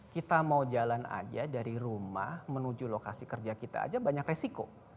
kita mau jalan aja dari rumah menuju lokasi kerja kita aja banyak resiko